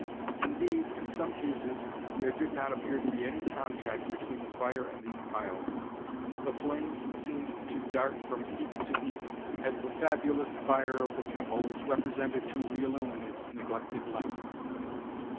Indeed, in some cases, there did not appear to be any contact between the fire and these piles, but the flames seemed to dart from heap to heap, as the fabulous fire of the temple is represented to reillumine its neglected lamp.